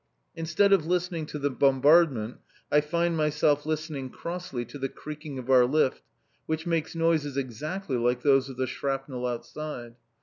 Instead of listening to the bombardment I find myself listening crossly to the creaking of our lift, which makes noises exactly like those of the shrapnel outside.